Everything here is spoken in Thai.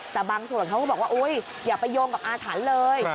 แต่บางส่วนเขาก็บอกว่าอุ๊ยอย่าไปโยงกับอาถรรพ์เลย